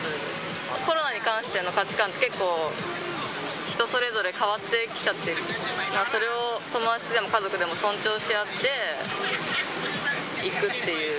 コロナに関しての価値観って、結構人それぞれ変わってきちゃってるから、それを友達でも家族でも尊重し合っていくっていう。